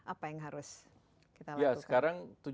apa yang harus kita lakukan